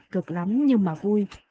cực lắm nhưng mà vui